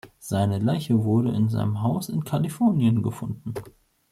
Seine Leiche wurde in seinem Haus in Kalifornien gefunden.